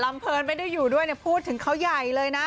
ลำเพิร์นไม่ได้อยู่ด้วยเนี่ยพูดถึงเขาใหญ่เลยนะ